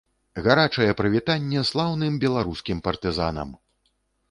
Гарачае прывітанне слаўным беларускім партызанам!